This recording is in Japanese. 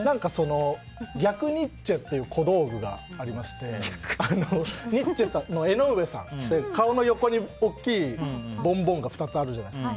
逆ニッチェっていう小道具がありましてニッチェさんの江上さん顔の横に大きいボンボンが２つあるじゃないですか。